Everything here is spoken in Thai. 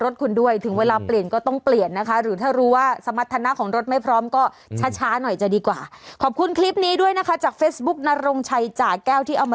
ถ้ายิ่งเพิ่งตกลงมานะตกปล่อยแบบเนี่ย